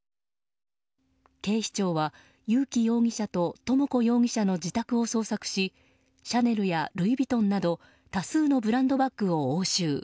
警視庁は、友紀容疑者と智子容疑者の自宅を捜索しシャネルやルイ・ヴィトンなど多数のブランドバッグを押収。